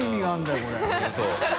そう。